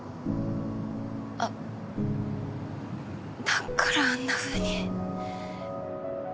あっだからあんなふうに。